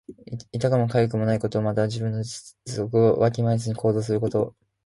痛くもかゆくもないこと。また、自分の実力をわきまえずに行動すること。